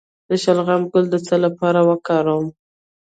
د شلغم ګل د څه لپاره وکاروم؟